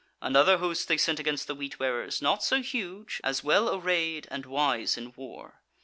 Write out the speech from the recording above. Another host they sent against the Wheat wearers, not so huge, as well arrayed and wise in war.